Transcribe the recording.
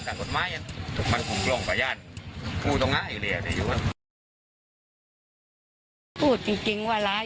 แต่ขโมยได้มาแล้วตายเอาไปขาย